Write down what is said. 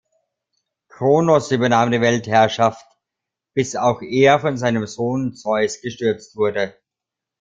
Kronos übernahm die Weltherrschaft, bis auch er von seinem Sohn Zeus gestürzt wurde.